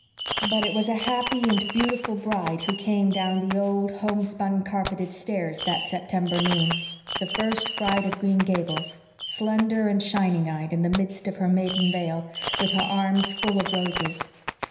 But it was a happy and beautiful bride who came down the old, homespun carpeted stairs that September noon the first bride of Green Gables, slender and shining eyed, in the mist of her maiden veil, with her arms full of roses.